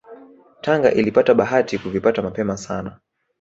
Tanga ilipata bahati kuvipata mapema sana